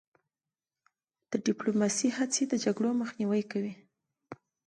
د ډیپلوماسی هڅې د جګړو مخنیوی کوي.